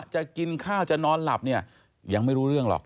จะกินข้าวจะนอนหลับเนี่ยยังไม่รู้เรื่องหรอก